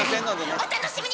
お楽しみに！